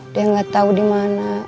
dia gak tau dimana